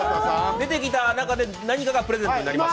出てきた中で何かがプレゼントになります。